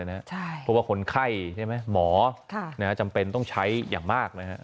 เพราะว่าคนไข้หมอก็จำเป็นต้องใช้อย่างมาก